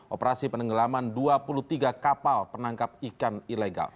operasi penenggelaman dua puluh tiga kapal penangkap ikan ilegal